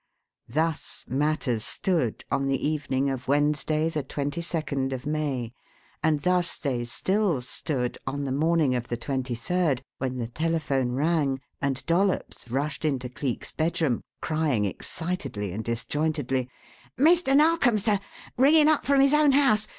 Thus matters stood on the evening of Wednesday, the twenty second of May, and thus they still stood on the morning of the twenty third, when the telephone rang and Dollops rushed into Cleek's bedroom crying excitedly and disjointedly: "Mr. Narkom, sir. Ringing up from his own house.